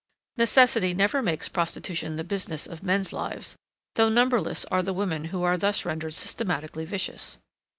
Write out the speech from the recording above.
Necessity never makes prostitution the business of men's lives; though numberless are the women who are thus rendered systematically vicious.